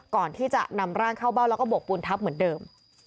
ก่อนที่จะนำร่างเข้าเบ้าแล้วก็บกปูนทับเหมือนเดิม